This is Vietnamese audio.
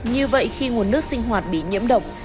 như vậy khi nguồn nước sinh hoạt bị nhiễm độc